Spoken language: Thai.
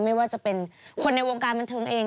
ไม่ว่าจะเป็นคนในวงการบันเทิงเอง